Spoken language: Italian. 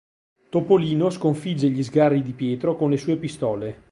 Topolino sconfigge gli sgherri di Pietro con le sue pistole.